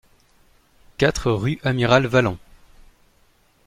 quatre rue Amiral Vallon